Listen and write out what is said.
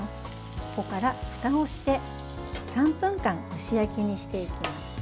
ここからふたをして３分間蒸し焼きにしていきます。